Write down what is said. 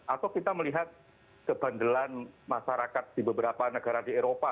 atau kita melihat kebandelan masyarakat di beberapa negara di eropa